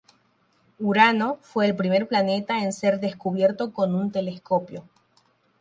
Urano fue el primer planeta en ser descubierto con un telescopio.